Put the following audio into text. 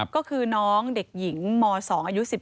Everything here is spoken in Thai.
ก็คือน้องเด็กหญิงม๒อายุ๑๗